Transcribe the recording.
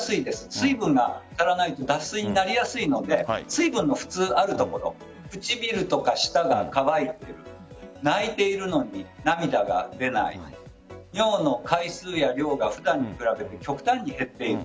水分が足らないと脱水になりやすいので水分の普通ある所唇や舌が乾いている泣いているのに涙が出ない尿の回数や量が普段に比べて極端に減っている。